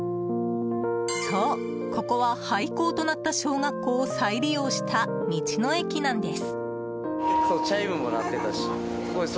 そう、ここは廃校となった小学校を再利用した道の駅なんです。